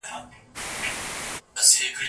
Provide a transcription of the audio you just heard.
څوك به ژاړي په كېږديو كي نكلونه